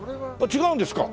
違うんですか？